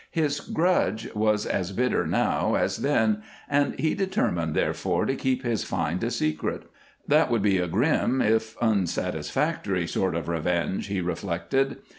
His grudge was as bitter now as then, and he determined, therefore, to keep his find a secret. That would be a grim, if unsatisfactory, sort of revenge, he reflected.